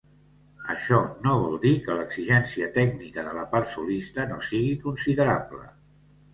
Això no vol dir que l'exigència tècnica de la part solista no siga considerable.